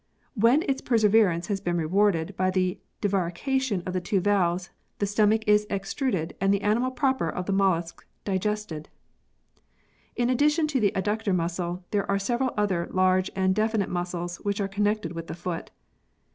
When its perseverance has been rewarded by the divarication of the two valves, the stomach is ex truded and the animal proper of the mollusc digested. In addition to the adductor muscle, there are several other large and definite muscles which are connected with the foot.